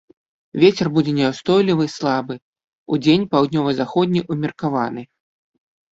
Вецер будзе няўстойлівы слабы, удзень паўднёва-заходні ўмеркаваны.